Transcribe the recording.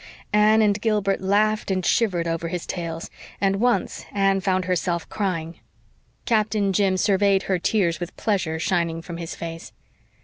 Anne and Gilbert laughed and shivered over his tales, and once Anne found herself crying. Captain Jim surveyed her tears with pleasure shining from his face.